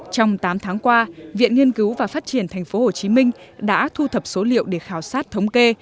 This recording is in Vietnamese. trong tám tháng qua viện nghiên cứu và phát triển tp hcm đã thu thập số liệu để khảo sát thống kê